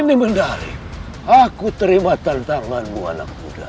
aku rasa aku masih sanggup yudhakara